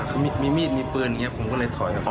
เขามีมีดมีปืนอย่างนี้ผมก็เลยถอยกับเขา